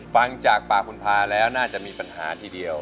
ฟังจากปากคุณพาแล้วน่าจะมีปัญหาทีเดียว